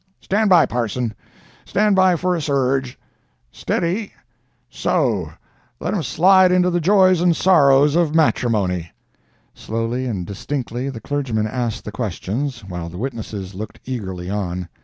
] "Stand by, Parson—stand by for a surge! Steady—so—let 'em slide into the joys and sorrows of matrimony!" Slowly and distinctly the clergyman asked the questions, while the witnesses looked eagerly on.